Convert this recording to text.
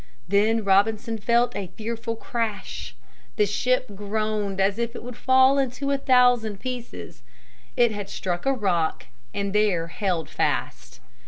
Then Robinson felt a fearful crash. The ship groaned as if it would fall into a thousand pieces. It had struck a rock and there held fast.